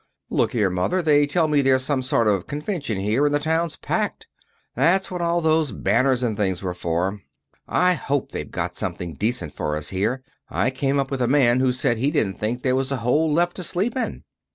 "Look here, Mother, they tell me there's some sort of a convention here, and the town's packed. That's what all those banners and things were for. I hope they've got something decent for us here. I came up with a man who said he didn't think there was a hole left to sleep in."